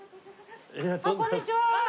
こんにちは。